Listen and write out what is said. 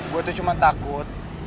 gue tuh cuma takut